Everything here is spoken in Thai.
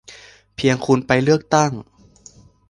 เพียงคุณไปเลือกตั้ง